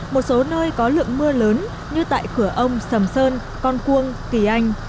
một số nơi có lượng mưa lớn như tại cửa ông sầm sơn con cuông kỳ anh